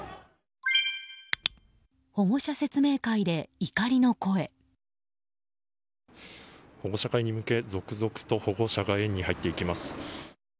保護者会に向け続々と保護者が園に入っていきます。